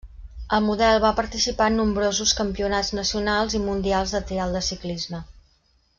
El model va participar en nombrosos campionats nacionals i mundials de trial de ciclisme.